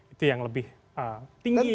itu yang lebih tinggi